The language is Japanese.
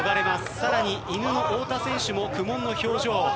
さらにいぬ、太田選手も苦悶の表情。